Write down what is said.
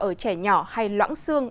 ở trẻ nhỏ hay loãng xương